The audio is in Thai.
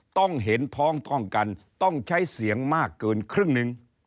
ต้องเห็นพ้องต้องกันต้องใช้เสียงมากเกินครึ่งหนึ่ง